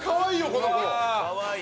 この子。